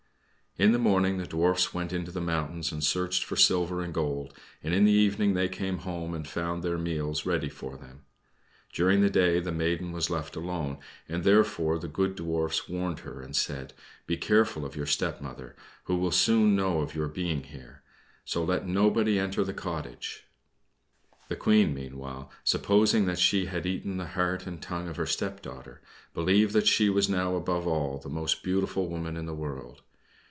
In the morning the Dwarfs went into the mountains and searched for silver and gold, and in the evening they came home and found their meals ready for them. During the day the maiden was left alone, and therefore the good Dwarfs warned her and said, "Be careful of your stepmother, who will soon know of your being here. So let nobody enter the cottage." The Queen meanwhile, supposing that she had eaten the heart and tongue of her stepdaughter, believed that she was now above all the most beautiful woman in the world.